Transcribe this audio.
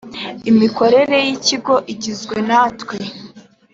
imikorere y ikigo igizwe natwe